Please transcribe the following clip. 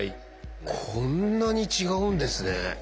こんなに違うんですね。